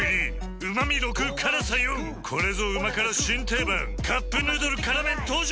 ４これぞ旨辛新定番「カップヌードル辛麺」登場！